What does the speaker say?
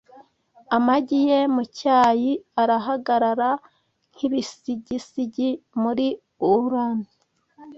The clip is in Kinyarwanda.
amagi ye mucyari arahagarara, Nkibisigisigi muri urn